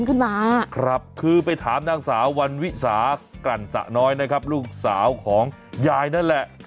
จริงคือไปถามนางสาววันวิสากรรษน้อยนะครับลูกสาวของยายนั่นแหละ